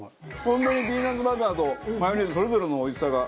本当にピーナッツバターとマヨネーズそれぞれのおいしさが。